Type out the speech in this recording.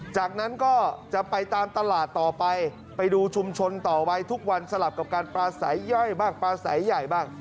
จากนั้นก็จะไปตามตลาดต่อไปไปดูชุมชนต่อไปทุกวันสลับกับการปลาใสย่อยบ้างปลาใสใหญ่บ้าง